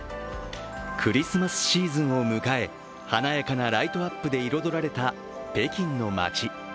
クリスマスシーズンを迎え華やかなライトアップで彩られた北京の街。